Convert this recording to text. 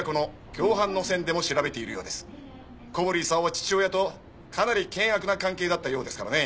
小堀功は父親とかなり険悪な関係だったようですからね。